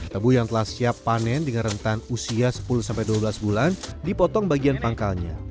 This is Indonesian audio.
tebu yang telah siap panen dengan rentan usia sepuluh dua belas bulan dipotong bagian pangkalnya